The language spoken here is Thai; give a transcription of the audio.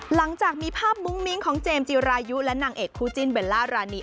หลังจากมีภาพมุ้งมิ้งของเจมส์จิรายุและนางเอกคู่จิ้นเบลล่ารานี